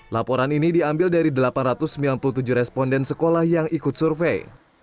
laporan ini diambil dari delapan ratus sembilan puluh tujuh responden sekolah yang ikut survei